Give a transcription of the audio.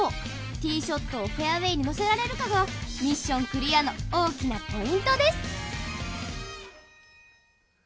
ティショットをフェアウェイに乗せられるかがミッションクリアの大きなポイントです。